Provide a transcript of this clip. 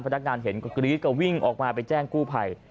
พนักงานเห็นก็กรี๊ดก็วิ่งออกมาไปแจ้งกู้ภัย